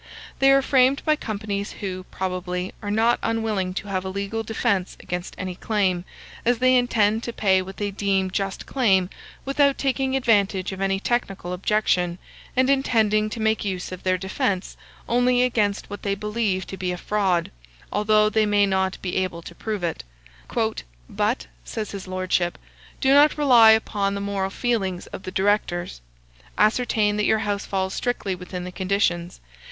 They are framed by companies who, probably, are not unwilling to have a legal defence against any claim, as they intend to pay what they deem just claim without taking advantage of any technical objection, and intending to make use of their defence only against what they believe to be a fraud, although they may not be able to prove it. "But," says his lordship, "do not rely upon the moral feelings of the directors. Ascertain that your house falls strictly within the conditions.